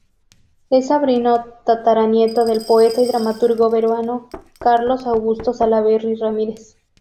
Es sobrino tataranieto del poeta y dramaturgo peruano Carlos Augusto Salaverry Ramírez.